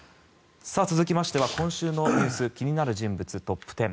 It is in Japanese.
続きましては今週のニュース気になる人物トップ１０。